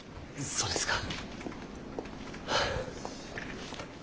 そうですか。